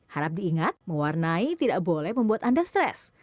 harap diingat mewarnai tidak boleh membuat anda stres